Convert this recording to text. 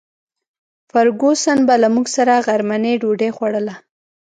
فرګوسن به له موږ سره غرمنۍ ډوډۍ خوړله.